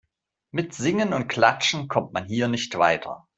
Mit Singen und Klatschen kommt man hier nicht weiter.